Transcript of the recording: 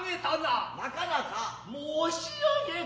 なかなか申上げた。